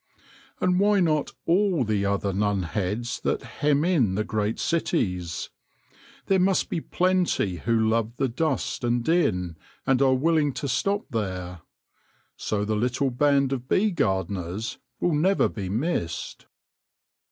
And why not all the other Nunheads that hem in the great cities ? There must be plenty who love the dust and din, and are willing to stop there ; so the little band of bee gardeners will never be missed.